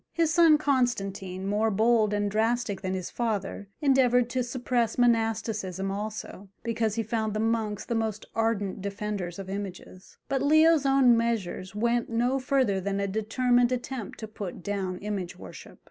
His son Constantine, more bold and drastic than his father, endeavoured to suppress monasticism also, because he found the monks the most ardent defenders of images; but Leo's own measures went no further than a determined attempt to put down image worship.